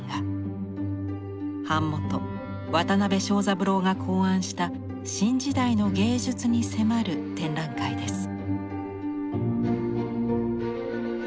版元・渡邊庄三郎が考案した新時代の芸術に迫る展覧会です。